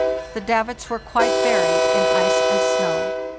The davits were quite buried in ice and snow.